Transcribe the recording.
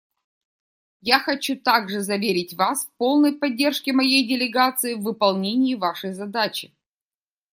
Я хочу также заверить вас в полной поддержке моей делегации в выполнении вашей задачи.